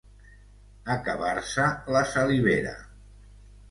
Acabar-se la salivera.